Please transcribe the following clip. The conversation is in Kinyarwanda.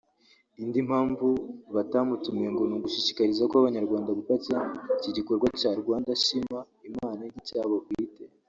Indi mpamvu batamutumiye ngo ni ugushishikariza ko abanyarwanda gufata iki gikorwa cya Rwanda Shima Imana nk’icyabo bwite